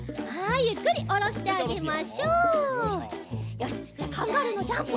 よしじゃあカンガルーのジャンプ！